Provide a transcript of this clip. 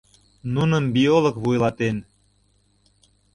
Нуным биолог вуйлатен.